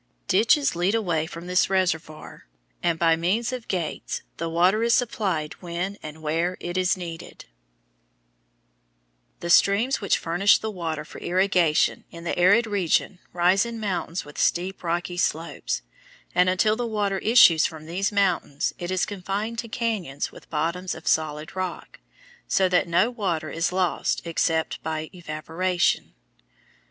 Ditches lead away from this reservoir, and by means of gates the water is supplied when and where it is needed. [Illustration: FIG. 116. SWEETWATER RESERVOIR, NEAR SAN DIEGO, CALIFORNIA] The streams which furnish the water for irrigation in the arid region rise in mountains with steep rocky slopes, and until the water issues from these mountains it is confined to cañons with bottoms of solid rock, so that no water is lost except by evaporation.